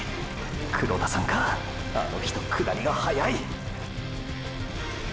黒田さんかあの人下りが速い！！